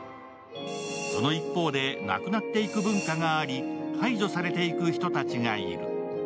その一方で、なくなっていく文化があり、排除されていく人たちがいる。